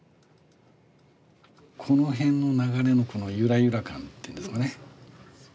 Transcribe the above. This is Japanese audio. この辺の流れのこのゆらゆら感っていうんですかね。